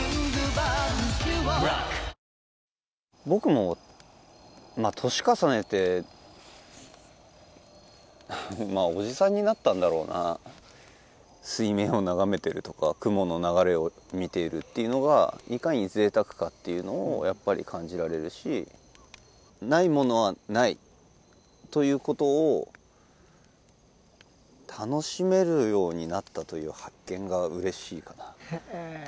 僕もまあ年重ねておじさんになったんだろうな水面を眺めてるとか雲の流れを見ているっていうのがいかに贅沢かっていうのをやっぱり感じられるし「ないものはない」ということを楽しめるようになったという発見が嬉しいかなへえ